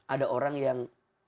ada orang yang